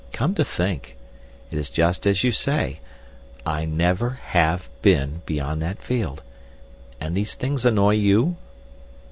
Come to think, it is just as you say; I never have been beyond that field.... And these things annoy you?"